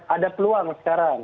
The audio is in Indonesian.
ada peluang sekarang